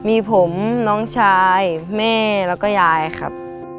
มีผมน้องชายแม่แล้วก็ยายครับ